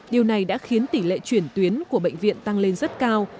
điều này đã khiến tỷ lệ chuyển tuyến của bệnh viện tăng lên rất cao